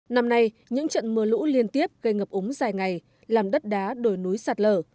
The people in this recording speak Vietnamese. năm nay những trận mưa lũ liên tiếp gây ngập úng dài ngày làm đất đá đồi núi sạt lở